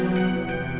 ya sayang yuk